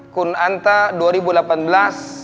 pesantren kilat kun anta dua ribu delapan belas